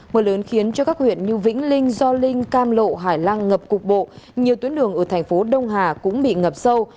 mưa lớn khiến cho các huyện như vĩnh linh do linh cam lộ hải lăng ngập cục bộ nhiều tuyến đường ở thành phố đông hà cũng bị ngập sâu